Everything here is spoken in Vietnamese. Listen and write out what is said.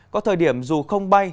có thời điểm dù không bay